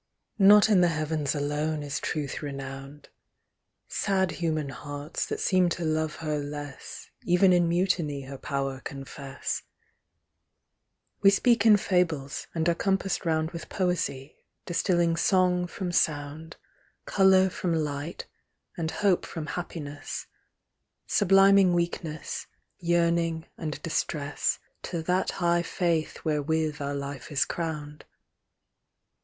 Not in the heavens alone is Truth renowned : Sad human hearts, that seem to love her less, Even in mutiny her power confess : We speak in fables, and are compassed round With poesy, distilling song from sound. Colour from light, and hope from happiness ; Subliming weakness, yearning, and distress, To that high faith wherewith our life is crowned.